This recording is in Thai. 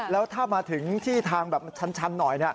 แล้วถ้ามาถึงที่ทางแบบมันชันหน่อย